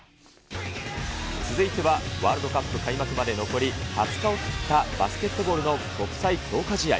続いてはワールドカップ開幕まで残り２０日を切ったバスケットボールの国際強化試合。